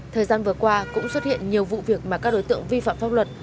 thời gian vừa qua cũng xuất hiện nhiều vụ việc mà các đối tượng vi phạm pháp luật